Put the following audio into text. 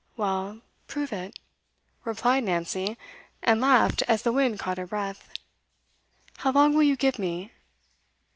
'Well, prove it,' replied Nancy, and laughed as the wind caught her breath. 'How long will you give me?